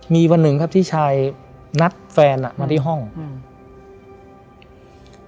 มีวันหนึ่งครับที่ชายนัดแฟนอ่ะมาที่ห้องอืม